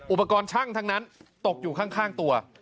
อุปกรณ์ช่างทั้งนั้นตกอยู่ข้างตัว